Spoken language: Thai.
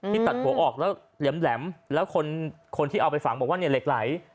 ตัดหัวออกแล้วแหลมแล้วคนที่เอาไปฝังบอกว่าเนี่ยเหล็กไหล